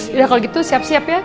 udah kalau gitu siap siap ya